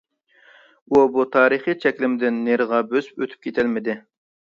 ئۇ بۇ تارىخىي چەكلىمىدىن نېرىغا بۆسۈپ ئۆتۈپ كېتەلمىدى.